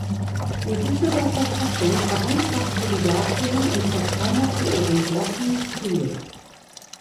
Die Düsseldorfer Fassung vereinfachte die Darstellung und verfeinerte ihren glatten Stil.